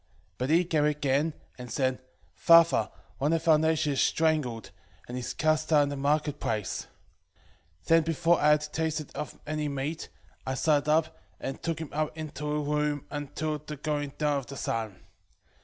2:3 But he came again, and said, Father, one of our nation is strangled, and is cast out in the marketplace. 2:4 Then before I had tasted of any meat, I started up, and took him up into a room until the going down of the sun.